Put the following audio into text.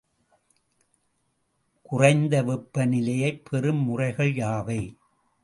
குறைந்த வெப்பநிலையைப் பெறும் முறைகள் யாவை?